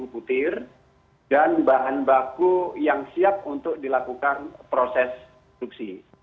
kemudian barang bukti yang sudah siap untuk dilakukan proses produksi